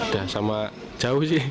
ya sama jauh sih